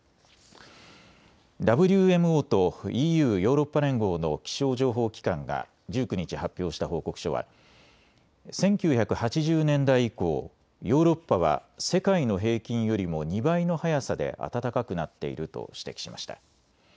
ＷＭＯとＥＵ・ヨーロッパ連合の気象情報機関が１９日、発表した報告書は１９８０年代以降、ヨーロッパは世界の平均よりも２倍の速さで暖かくなっていると指摘しました。